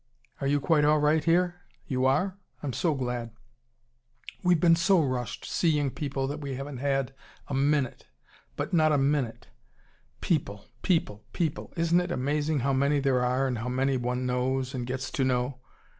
Are you quite all right here? You are? I'm so glad we've been so rushed, seeing people that we haven't had a MINUTE. But not a MINUTE! People! People! People! Isn't it amazing how many there are, and how many one knows, and gets to know!